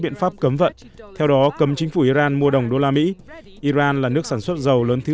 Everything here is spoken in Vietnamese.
biện pháp cấm vận theo đó cấm chính phủ iran mua đồng đô la mỹ iran là nước sản xuất dầu lớn thứ